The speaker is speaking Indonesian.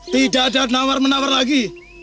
tidak ada nawar menawar lagi